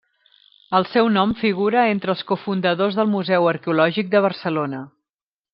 El seu nom figura entre els cofundadors del Museu Arqueològic de Barcelona.